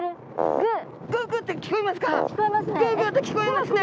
グゥグゥって聞こえますね。